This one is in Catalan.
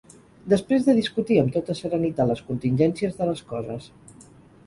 Després de discutir amb tota serenitat les contingències de les coses